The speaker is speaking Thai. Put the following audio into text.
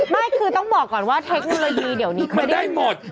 ไม่คือต้องบอกก่อนว่าเทคโนโลยีเดี๋ยวนี้คือไม่ได้หมด